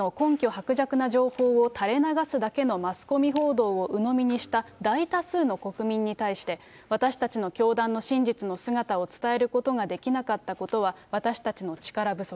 薄弱な情報を垂れ流すだけのマスコミ報道をうのみにした大多数の国民に対して、私たちの教団の真実の姿を伝えることができなかったことは、私たちの力不足。